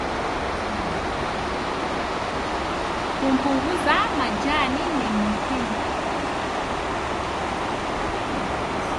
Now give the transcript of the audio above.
Kupunguza majani ni muhimu